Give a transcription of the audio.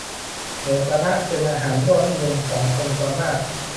หมูกะทะเป็นอาหารยอดนิยมของคนส่วนมาก